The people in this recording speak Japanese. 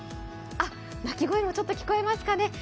鳴き声もちょっと聞こえますかね。